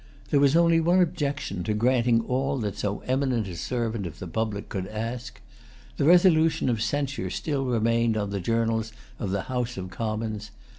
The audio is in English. There was only one objection to granting all that so eminent a servant of the public could ask. The resolution of censure still remained on the Journals of the House of Commons.